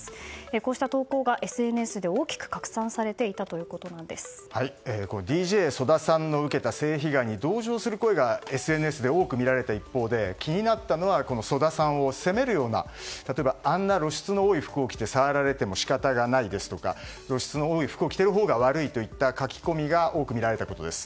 こうした投稿がＳＮＳで大きくＤＪＳＯＤＡさんの受けた性被害に同情する声がＳＮＳで大きく見られた一方で気になったのはＳＯＤＡさんを責めるような例えば、あんな露出の多い服を着て触られても仕方がないですとか露出の多い服を着ているほうが悪いといった書き込みが多く見られたことです。